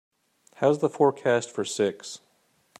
How's the forecast for VI